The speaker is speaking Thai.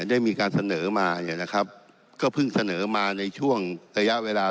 ได้มีการเสนอมาเนี่ยนะครับก็เพิ่งเสนอมาในช่วงระยะเวลา